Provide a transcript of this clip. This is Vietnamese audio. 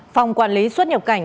phòng quản lý xuất nhập cảnh